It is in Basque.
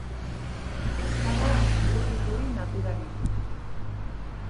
Ez dago ur iturri naturalik.